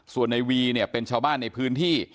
ส่วนในวีเนี่ยเป็นชาวบ้านในพื้นที่